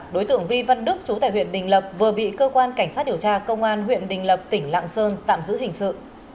đối tượng vi văn đức chú tại huyện đình lập vừa bị cơ quan cảnh sát điều tra công an huyện đình lập tỉnh lạng sơn tạm giữ hình sự